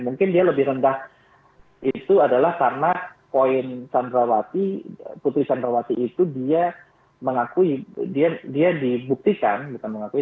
mungkin dia lebih rendah itu adalah karena poin putri candrawati itu dia mengakui dia dibuktikan bukan mengakui